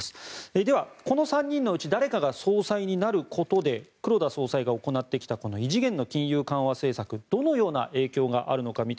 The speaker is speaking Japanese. では、この３人のうち誰かが総裁になることで黒田総裁が行ってきた異次元の金融緩和政策にどのような影響が出るのか。